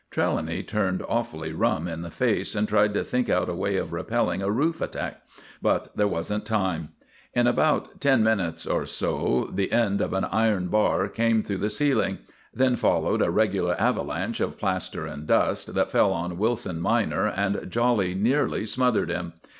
Trelawny turned awfully rum in the face, and tried to think out a way of repelling a roof attack; but there wasn't time. In about ten minutes or so the end of an iron bar came through the ceiling; then followed a regular avalanche of plaster and dust, that fell on Watson minor and jolly nearly smothered him.